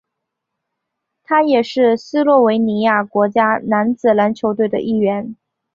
他也是斯洛维尼亚国家男子篮球队的一员。